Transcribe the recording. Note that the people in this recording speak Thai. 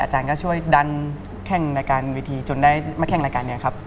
อาจารย์ก็ช่วยดันแข้งรายการเวทีจนได้มาแข่งรายการนี้ครับ